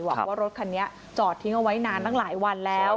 ว่ารถคันนี้จอดทิ้งเอาไว้นานตั้งหลายวันแล้ว